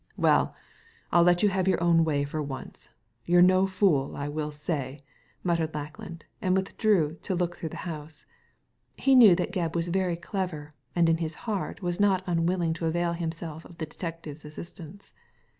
"Well, rillet you have your own way for once. You're no fool, I will say," muttered Lackland, and withdrew to look through the house. He knew that Gebb was very clever, and in his heart was not un« willing to avail himself of the detective's assistance.